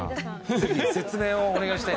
ぜひ説明をお願いしたい。